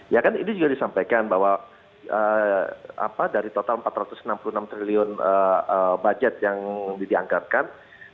ya kan ini juga disampaikan bahwa dari total empat ratus enam puluh enam triliun budget yang dianggarkan